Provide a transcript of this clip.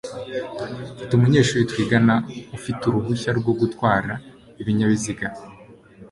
Mfite umunyeshuri twigana ufite uruhushya rwo gutwara ibinyabiziga.